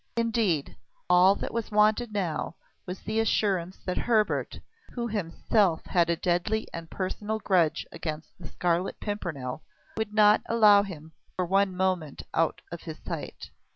Indeed, all that was wanted now was the assurance that Hebert who himself had a deadly and personal grudge against the Scarlet Pimpernel would not allow him for one moment out of his sight.